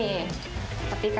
itu boleh dicoba